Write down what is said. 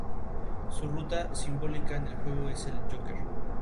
Su ruta simbólica en el juego es el 'joker'.